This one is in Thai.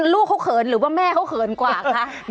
ลูกเขาเขินหรือว่าแม่เขาเขินกว่าคะ